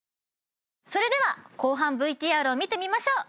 それでは後半ＶＴＲを見てみましょう。